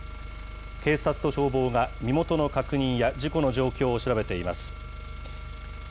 警察と消防が身元の確認や事故の状況を調べています。